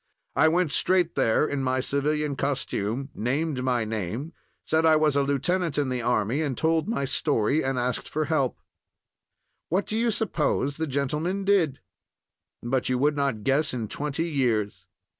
I went straight there in my civilian costume, named my name, said I was a lieutenant in the army, and told my story and asked for help. "What do you suppose the gentleman did? But you would not guess in twenty years.